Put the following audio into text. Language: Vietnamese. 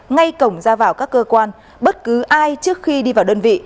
ngay cổng ra vào các cơ quan bất cứ ai trước khi đi vào đơn vị